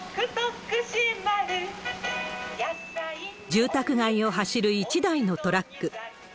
住宅街を走る１台のトラック。